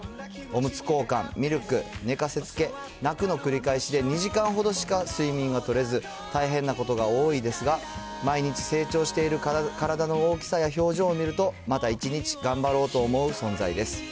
おむつ交換、ミルク、寝かせつけ、泣くの繰り返しで、２時間ほどしか睡眠が取れず、大変なことが多いですが、毎日成長している体の大きさや表情を見ると、また１日頑張ろうと思う存在です。